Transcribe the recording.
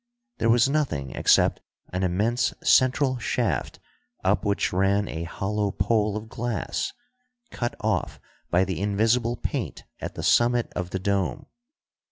There was nothing except an immense central shaft, up which ran a hollow pole of glass, cut off by the invisible paint at the summit of the dome.